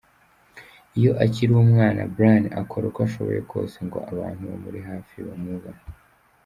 Iyo akiri umwana, Brian akora uko ashoboye kose ngo abantu bamuri hafi bamwubahe.